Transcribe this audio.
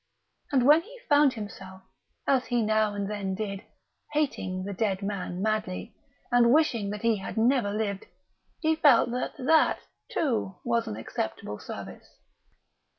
And when he found himself, as he now and then did, hating the dead man Madley, and wishing that he had never lived, he felt that that, too, was an acceptable service....